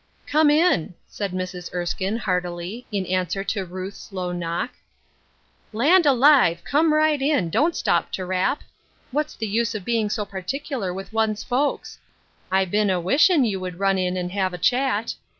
"Come in," said Mrs. Eiskine, heartily, in answer to Ruth's low knock. " Land alive ! come right in, don't stop to rap. What's the use of being so particular with one's folks? 1 been a wishin' you would run in and have a chat.